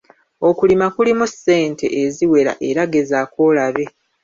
Okulima kulimu ssente eziwera era gezaako olabe.